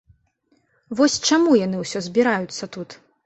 Вось, чаму яны ўсё збіраюцца тут?